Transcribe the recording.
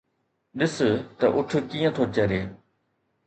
ڏس ته اُٺ ڪيئن ٿو چري.